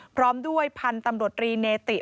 พร้อมด้วยพันธุ์ตำรวจรีเนติ